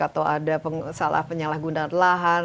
atau ada penyalahgunaan lahan